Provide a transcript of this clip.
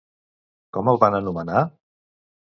Com el van anomenar?